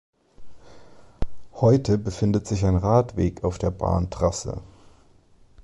Heute befindet sich ein Radweg auf der Bahntrasse.